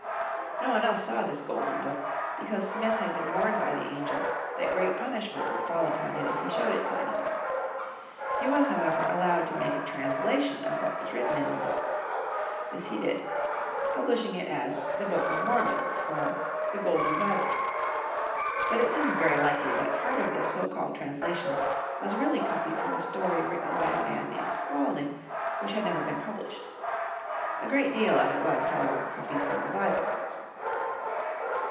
No one else saw this golden book, because Smith had been warned by the angel that great punishment would fall upon him if he showed it to any one. He was, however, allowed to make a "translation" of what was written in the book. This he did, publishing it as "The Book of the Mormons" or "The Golden Bible." But it seems very likely that part of this so called translation was really copied from a story written by a man named Spaulding which had never been published. A great deal of it was, however, copied from the Bible.